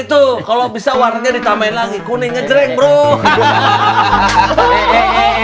tuh kalau bisa warnanya ditambah lagi kuningnya jreng bro hahaha